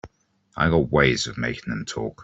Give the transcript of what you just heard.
I got ways of making them talk.